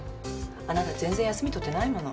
あなた全然休み取ってないもの。